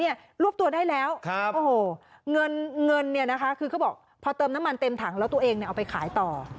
นี่รวบตัวได้แล้วคือเขาบอกพอเติมน้ำมันเต็มถังแล้วตัวเองเอาไปขายต่อ